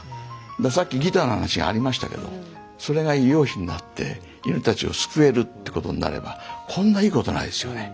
さっきギターの話がありましたけどそれが医療費になって犬たちを救えるってことになればこんないいことないですよね。